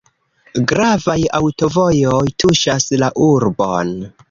Gravaj aŭtovojoj tuŝas la urbon.